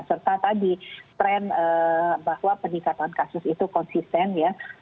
serta tadi tren bahwa peningkatan kasus itu konsisten ya